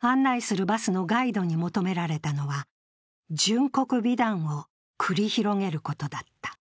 案内するバスのガイドに求められたのは、殉国美談を繰り広げることだった。